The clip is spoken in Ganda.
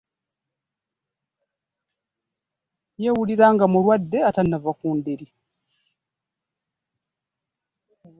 Yeewulira nga mulwadde atannava ku ndiri.